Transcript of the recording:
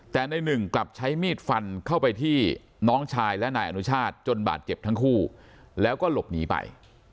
แต่ในหนึ่งกลับใช้มีดฟันเข้าไปที่น้องชายและนายอนุชาติจนบาดเจ็บทั้งคู่แล้วก็หลบหนีไป